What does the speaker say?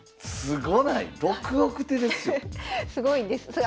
すごいんです。